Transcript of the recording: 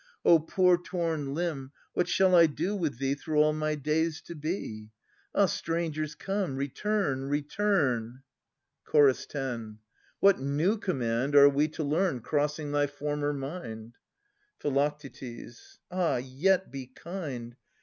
O poor torn limb, what shall I do with thee Through all my days to be? Ah, strangers, come, return, return ! Ch. 10. What new command are we to learn Crossing thy former mind ? Phi. Ah ! yet be kind.